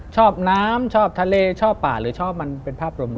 ชอบน้ำชอบทะเลชอบป่าหรือชอบมันเป็นภาพรวม